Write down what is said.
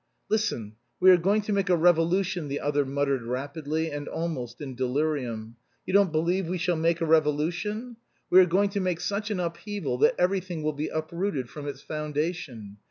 "Listen. We are going to make a revolution," the other muttered rapidly, and almost in delirium. "You don't believe we shall make a revolution? We are going to make such an upheaval that everything will be uprooted from its foundation.